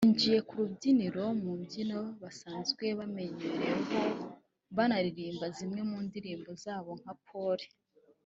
Binjiye ku rubyiniro mu mbyino basanzwe bamenyereweho banaririmba zimwe mu ndirimbo zabo nka Pole